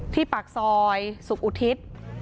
ปากซอยสุขอุทิศ